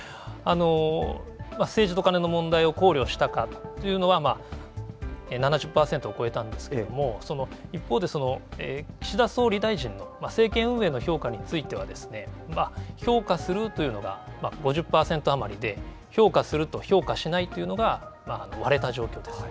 政治とカネの問題を考慮したかというのは、７０％を超えたんですけれども、その一方で、岸田総理大臣の政権運営の評価については、評価するというのが、５０％余りで評価すると評価しないというのが、割れた状況です。